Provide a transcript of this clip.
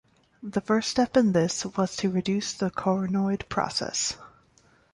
The first step in this was to reduce the coronoid process.